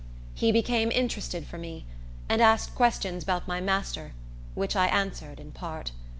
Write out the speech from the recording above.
He became interested for me, and asked questions about my master, which I answered in part.